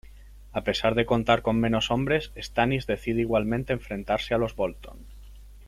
A pesar de contar con menos hombres, Stannis decide igualmente enfrentarse a los Bolton.